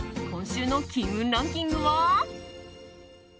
今週の金運ランキングは。